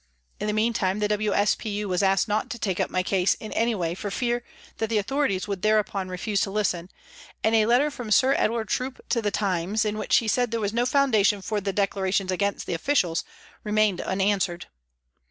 In the meantime, the W.S.P.U. was asked not to take up my case in any way for fear that the autho rities would thereupon refuse to listen, and a letter from Sir Edward Troup to the Times, in which he said there was no foundation for the declarations against the officials, remained unanswered.